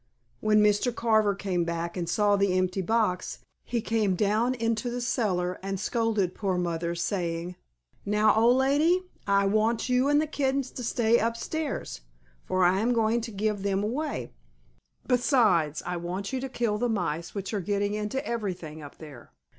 When Mr. Carver came back and saw the empty box he came down into the cellar and scolded poor mother, saying, "Now, old lady, I want you and the kittens to stay upstairs, for I am going to give them away; besides, I want you to kill the mice which are getting into everything up there.